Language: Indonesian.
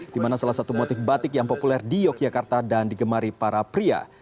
di mana salah satu motif batik yang populer di yogyakarta dan digemari para pria